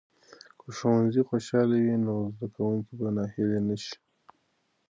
که ښوونځي خوشاله وي، نو زده کوونکي به ناهیلي نه شي.